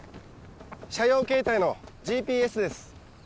社用携帯のＧＰＳです